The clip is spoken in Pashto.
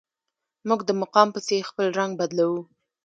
موږ د مقام پسې خپل رنګ بدلوو.